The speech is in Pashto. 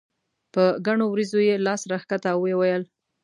په ګڼو وريځو یې لاس راښکه او یې وویل.